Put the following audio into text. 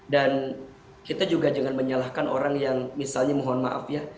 dan kita juga jangan menyalahkan orang yang misalnya mohon maaf ya